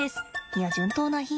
いや順当な比喩？